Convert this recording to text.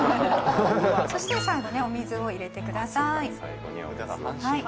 そして最後ねお水を入れてください